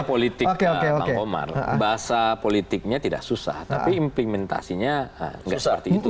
kalau kita lihat politik pak omar bahasa politiknya tidak susah tapi implementasinya nggak seperti itu